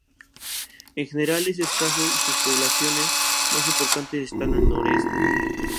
En general es escaso y sus poblaciones más importantes están en el noroeste.